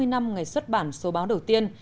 hai mươi năm ngày xuất bản số báo đầu tiên